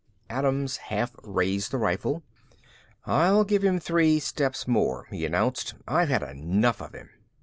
Adams half raised the rifle. "I'll give him three steps more," he announced. "I've had enough of him."